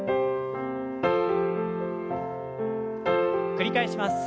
繰り返します。